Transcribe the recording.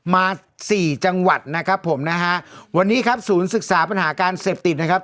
มาสี่จังหวัดนะครับผมนะฮะวันนี้ครับศูนย์ศึกษาปัญหาการเสพติดนะครับ